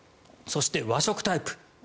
そして和食タイプ。